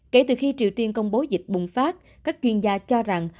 kể từ khi triều tiên công bố dịch bùng phát các chuyên gia cho rằng